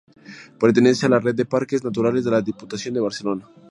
Pertenece a la red de "Parques Naturales de la Diputación de Barcelona".